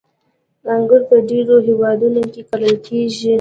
• انګور په ډېرو هېوادونو کې کرل کېږي.